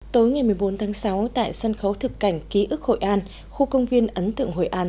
tối ngày một mươi bốn tháng sáu tại sân khấu thực cảnh ký ức hội an khu công viên ấn tượng hội an